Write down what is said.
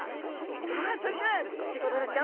さあそれではチゴダラちゃん。